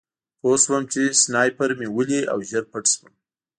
پوه شوم چې سنایپر مې ولي او ژر پټ شوم